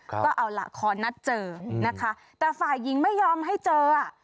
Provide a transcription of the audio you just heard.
ก็เอาล่ะขอนัดเจอนะคะแต่ฝ่ายหญิงไม่ยอมให้เจออ่ะ